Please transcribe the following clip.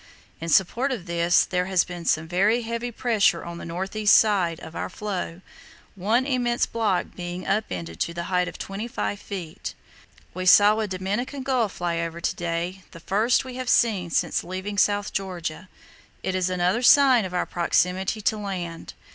In support of this there has been some very heavy pressure on the north east side, of our floe, one immense block being up ended to a height of 25 ft. We saw a Dominican gull fly over to day, the first we have seen since leaving South Georgia; it is another sign of our proximity to land.